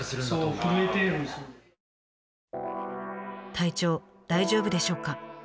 体調大丈夫でしょうか？